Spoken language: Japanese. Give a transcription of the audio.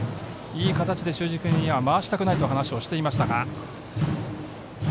いい形で中軸には回したくないと話をしていましたが。